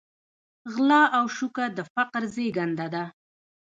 غلا او شوکه د فقر زېږنده ده.